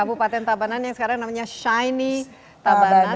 kabupaten tabanan yang sekarang namanya shini tabanan